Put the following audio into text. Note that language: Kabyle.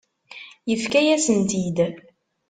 Yefka-yasen-tt-id.